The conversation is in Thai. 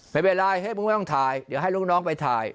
ไม่เป็นไรมึงไม่ต้องถ่ายเดี๋ยวให้ลูกน้องไปถ่าย